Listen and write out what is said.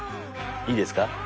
いいですか？